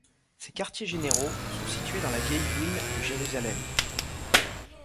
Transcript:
Ses quartiers généraux sont situés dans la Vieille ville de Jérusalem.